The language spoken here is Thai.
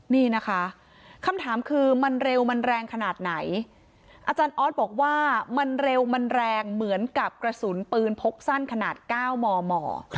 นี่นะคะคำถามคือมันเร็วมันแรงขนาดไหนอาจารย์ออสบอกว่ามันเร็วมันแรงเหมือนกับกระสุนปืนพกสั้นขนาด๙มม